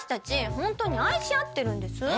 ホントに愛し合ってるんです。